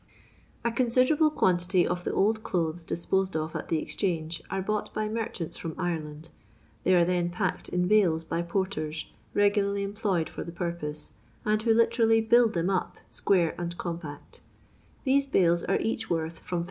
A OONSIDBRABLB quantity of the old clothes dis posed of at the Bxchange are bought by mer chants from Ireland. They are then packed in bales by porters, regularly employed for the purpose, and who literally buUd them up square and compact > These bales are each worth from 50